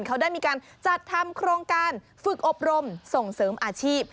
เขาได้มีการจัดทำโครงการฝึกอบรมส่งเสริมอาชีพ